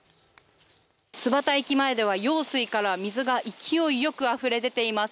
津幡駅前では用水から水が勢いよくあふれています。